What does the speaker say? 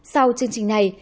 sau chương trình này